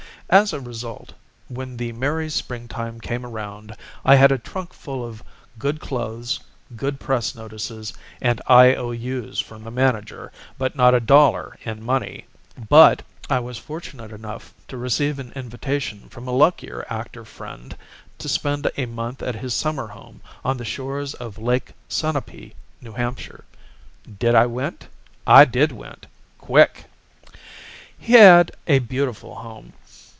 As a result, when the merry springtime came around, I had a trunk full of good clothes, good press notices and I.O.U.'s from the manager, but not a dollar in money. "But I was fortunate enough to receive an invitation from a luckier actor friend to spend a month at his summer home on the shores of Lake Sunapee, N. H. Did I went? I did went! Quick. "He had a beautiful home.